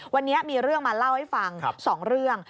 วันนี้มีเรื่องมาเล่าให้ฟัง๒เรื่อง